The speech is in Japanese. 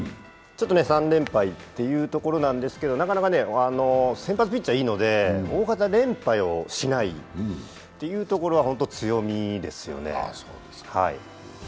３連敗というところなんですけど、先発ピッチャーがいいので大型連敗をしないというところは強みですよね。